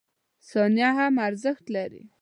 • ثانیه هم ارزښت لري.